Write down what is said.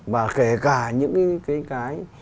và kể cả những cái